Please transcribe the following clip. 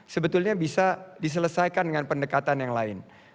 sebetulnya bisa diselesaikan dengan pendekatan yang lain